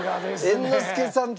猿之助さん